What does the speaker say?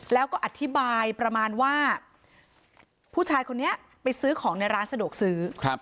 แล้วก็อธิบายประมาณว่าผู้ชายคนนี้ไปซื้อของในร้านสะดวกซื้อ